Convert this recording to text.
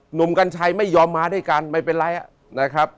หนุ่มกัญชัยไม่ยอมมาได้กัน